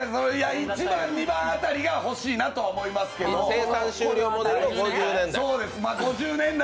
両腕というか１番、２番あたりがほしいなと思いますけど生産終了モデルの５０年代。